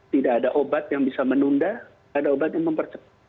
tidak ada obat yang bisa menunda tidak ada obat yang mempercepat